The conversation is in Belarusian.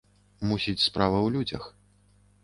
Мусіць, справа ў людзях.